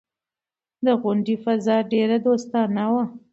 د غونډې فضا ډېره دوستانه وه.